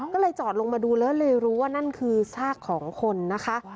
ก็เลยจอดลงมาดูแล้วเลยรู้ว่านั่นคือซากของคนนะคะ